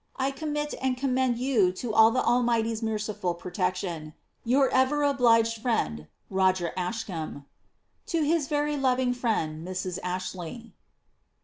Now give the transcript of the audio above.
So I commit and commend you all to the Almighty's merciful protection. Your ever obliged friend, Roexa Ascham. *♦ To his very loving frientl, Mrs. Astley.''